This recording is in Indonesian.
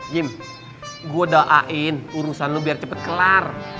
jim gue doain urusan lo biar cepet kelar